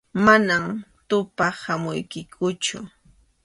Manam tumpaq hamuykikuchu.